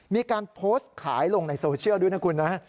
มีการโพสต์ขายลงในโซเชียลด้วยนะคุณนะ